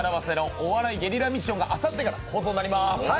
お笑いゲリラミッション」があさってから放送になります。